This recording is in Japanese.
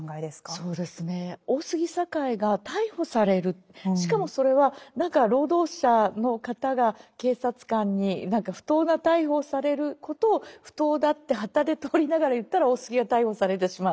そうですね大杉栄が逮捕されるしかもそれは何か労働者の方が警察官に何か不当な逮捕をされることを不当だってはたで通りながら言ったら大杉が逮捕されてしまう。